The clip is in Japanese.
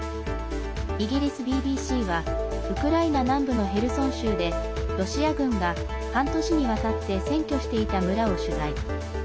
イギリスＢＢＣはウクライナ南部のヘルソン州でロシア軍が半年にわたって占拠していた村を取材。